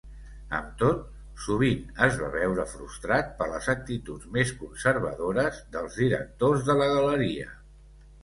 Amb tot, sovint es va veure frustrat per les actituds més conservadores dels directors de la galeria.